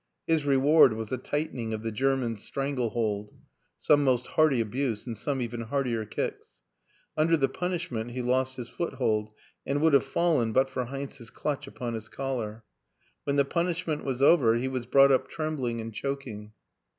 His reward was a tightening of the German's strangle hold, some most hearty abuse and some even heartier kicks. Under the punishment he lost his foothold and would have fallen but for Heinz's clutch upon his collar; when the punishment was over he was brought up trembling and choking.